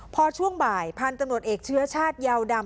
พอช่วงบ่ายพันธุ์ตำรวจเอกเชื้อชาติยาวดำ